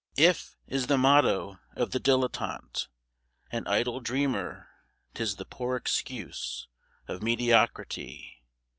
"If" is the motto of the dilettante And idle dreamer; 'tis the poor excuse Of mediocrity.